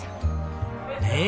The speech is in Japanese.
ねえ。